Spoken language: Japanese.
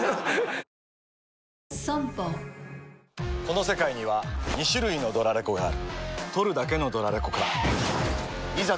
この世界には２種類のドラレコがある録るだけのドラレコか・ガシャン！